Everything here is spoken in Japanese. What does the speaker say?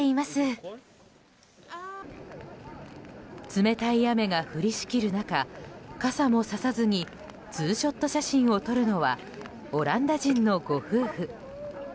冷たい雨が降りしきる中傘もささずにツーショット写真を撮るのはオランダ人のご夫婦。